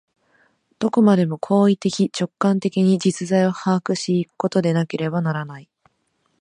どこまでも行為的直観的に実在を把握し行くことでなければならない。